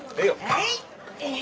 はい！